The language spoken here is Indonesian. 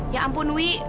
ya ampun wi